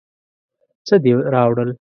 څه دې راوړل.